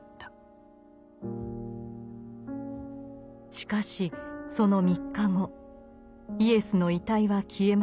しかしその３日後イエスの遺体は消えました。